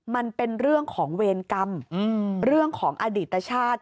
มันเป็นเรื่องของเวรกรรมเรื่องของอดีตชาติ